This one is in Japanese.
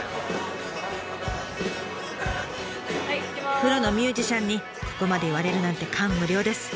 プロのミュージシャンにここまで言われるなんて感無量です。